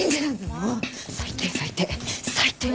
最低最低。